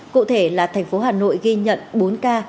cụ thể là thành phố hà nội ghi nhận bốn ca